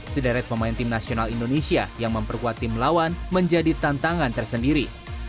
sederet pemain tim nasional indonesia yang memperkuat tim lawan menjadi tantangan tersendiri